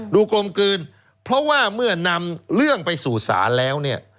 กลมกลืนเพราะว่าเมื่อนำเรื่องไปสู่ศาลแล้วเนี่ย